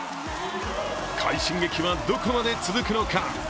快進撃はどこまで続くのか。